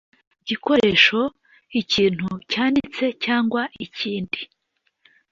igikoresho ikintu cyanditse cyangwa ikindi